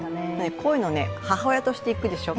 こういうの、母親として行くでしょう。